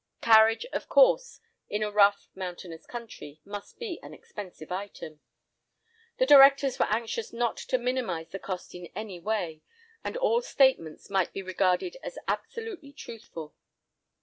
Carriage, of course, in a rough, mountainous country, must be an expensive item. The directors were anxious not to minimise the cost in any way, and all statements might be regarded as absolutely truthful.